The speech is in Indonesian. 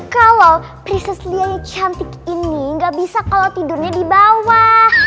kalo prinses lia yang cantik ini gak bisa kalo tidurnya di bawah